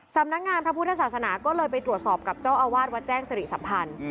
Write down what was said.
สำนักงานพระพุทธศาสนาก็เลยไปตรวจสอบกับเจ้าอาวาสวัดแจ้งสิริสัมพันธ์